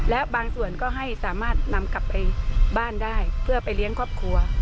แล้วบางส่วนก็ให้สามารถนำกลับไปบ้านได้เพื่อไปเลี้ยงครอบครัว